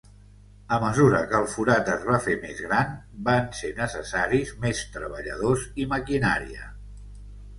A mesura que el forat es va fer més gran, van ser necessaris més treballadors i maquinària.